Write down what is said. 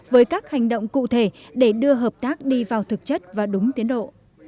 với các hành động cụ thể để đưa hợp tác đi vào thực chất và đúng tiến độ